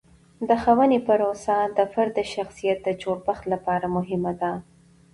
د ښوونې پروسه د فرد د شخصیت د جوړښت لپاره مهمه ده.